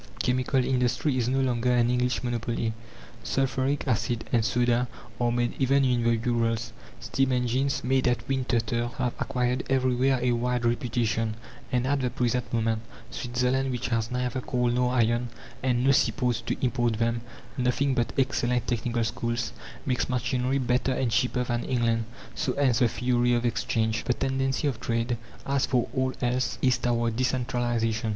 Chemical industry is no longer an English monopoly; sulphuric acid and soda are made even in the Urals. Steam engines, made at Winterthur, have acquired everywhere a wide reputation, and at the present moment, Switzerland, which has neither coal nor iron, and no sea ports to import them nothing but excellent technical schools makes machinery better and cheaper than England. So ends the theory of Exchange. The tendency of trade, as for all else, is toward decentralization.